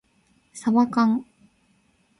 さばかん